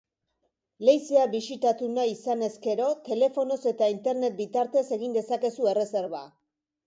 Leizea bisitatu nahi izanez gero, telefonoz eta internet bitartez egin dezakezu erreserba.